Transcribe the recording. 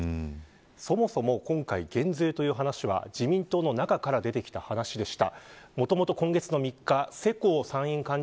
そもそも今回、減税という話は自民党の中から出てきた話でした。